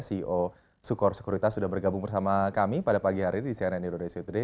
ceo sukor sekuritas sudah bergabung bersama kami pada pagi hari di cnn indonesia today